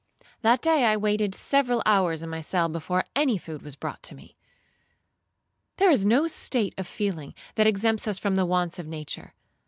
That day I waited several hours in my cell before any food was brought me. There is no state of feeling that exempts us from the wants of nature.